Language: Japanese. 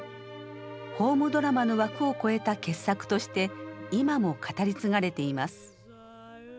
ホームドラマの枠を超えた傑作として今も語り継がれています。